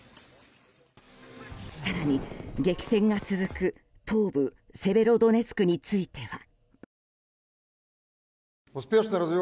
更に激戦が続く東部セベロドネツクについては。